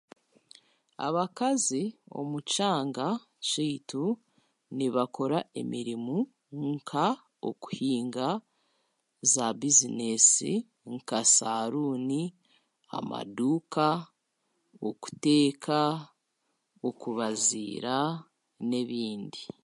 Abakazi omu kyanga kyaitu nibakora emirimu nka okuhinga, zaabizineesi, nka saruuni, amaduuka, okuteeka, okubaazira, n'ebindi.